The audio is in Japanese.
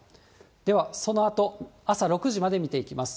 ではそのあと、朝６時まで見ていきます。